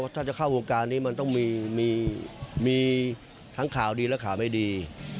ถ้าจะเข้าวงการนี้มันต้องมีทั้งข่าวดีและข่าวไม่ดี